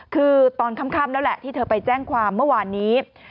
คือตอนค่ำแล้วแหละที่เธอไปแจ้งความเมื่อวานนี้